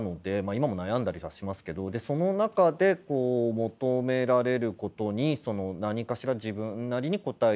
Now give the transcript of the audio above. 今も悩んだりはしますけどでその中でこう求められることに何かしら自分なりに答えていく。